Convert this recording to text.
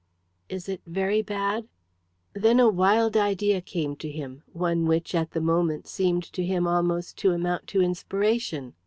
"Is it very bad?" Then a wild idea came to him one which, at the moment, seemed to him almost to amount to inspiration.